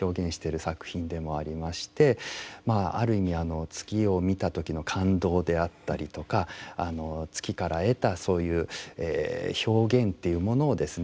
まあある意味月を見た時の感動であったりとか月から得たそういう表現というものをですね